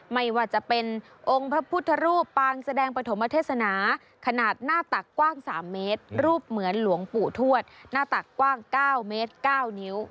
ไม่ว่าจะเป็นองค์พระพุทธรูปปางแสดงปฐมเทศนาขนาดหน้าตักกว้าง๓เมตรรูปเหมือนหลวงปู่ทวดหน้าตักกว้าง๙เมตร๙นิ้ว